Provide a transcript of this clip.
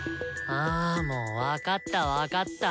あもう分かった分かった。